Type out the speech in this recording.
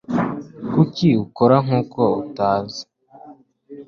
Kuki ukora nkuko utanzi?